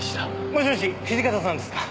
もしもし土方さんですか？